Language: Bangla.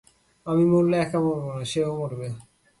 আমি মরলে একা মরব না, সেও মরবে!